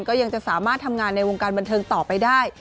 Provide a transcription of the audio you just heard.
ก็ยังจะสามารถทำงานในวงการบันเทิงต่อไปได้